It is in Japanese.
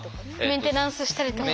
メンテナンスしたりとか。